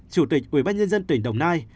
chủ tịch ủy ban nhân dân tỉnh đồng nai